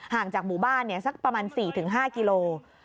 ห่างจากหมู่บ้านเนี่ยสักประมาณ๔๕กิโลเมตร